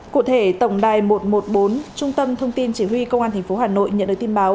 cụ thể tổng đài một trăm một mươi bốn trung tâm thông tin chỉ huy công an tp hà nội nhận được tin báo